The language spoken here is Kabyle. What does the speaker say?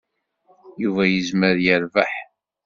Yuba yezmer yerbeḥ.